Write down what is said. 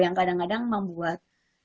yang kadang kadang membuat